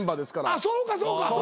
あっそうかそうか。